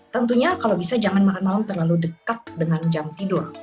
tentunya kalau bisa jangan makan malam terlalu dekat dengan jam tidur